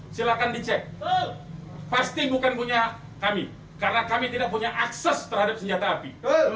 silahkan dicek pasti bukan punya kami karena kami tidak punya akses terhadap senjata api